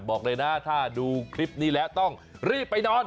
บอกเลยนะถ้าดูคลิปนี้แล้วต้องรีบไปนอน